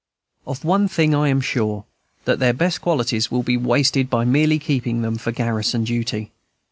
Of one thing I am sure, that their best qualities will be wasted by merely keeping them for garrison duty.